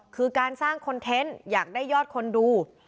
คือการสร้างคอนเทนต์อยากได้ยอดคนดู